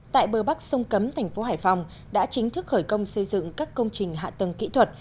tại bờ bắc sông cấm thành phố hải phòng đã chính thức khởi công xây dựng các công trình hạ tầng kỹ thuật